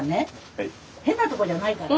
変なとこじゃないから。